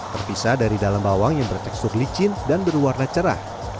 terpisah dari dalam bawang yang bertekstur licin dan berwarna cerah